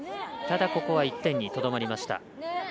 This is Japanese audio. ただ、ここは１点にとどまりました。